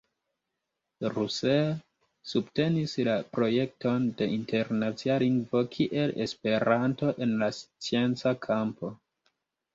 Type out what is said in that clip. Russell subtenis la projekton de internacia lingvo kiel esperanto en la scienca kampo.